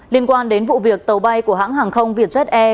liên quan đến vụ việc tàu bay của hãng hàng không vietjet air